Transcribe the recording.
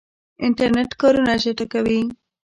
انټرنیټ کارونه چټکوي